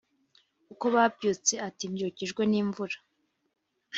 ukó babyutse áti mbyukijwe n' imvúra